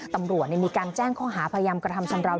ตำรวจมีการแจ้งข้อหาพยายามกระทำชำราว